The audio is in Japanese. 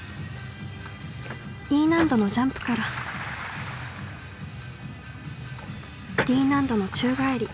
Ｅ難度のジャンプからＤ難度の宙返り。